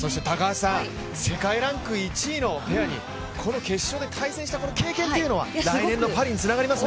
世界ランク１位のペアにこの決勝で対戦した経験というのは来年のパリにつながりますね。